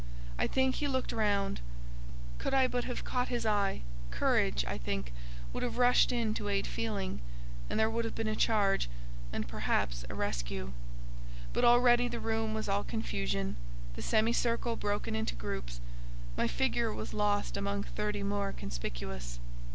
I think he looked round; could I but have caught his eye, courage, I think, would have rushed in to aid feeling, and there would have been a charge, and, perhaps, a rescue; but already the room was all confusion, the semicircle broken into groups, my figure was lost among thirty more conspicuous.